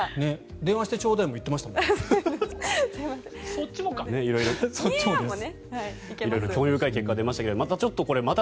電話してちょうだいも言ってましたもんね。